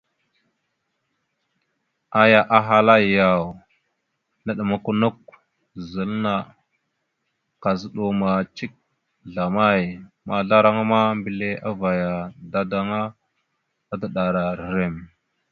Aya ahala: « Yaw, naɗəmakw a nakw zile, kazəɗaw amay cik zlamay? » Mazlaraŋa ma, mbile avayara dadaŋŋa, adaɗəra rrem.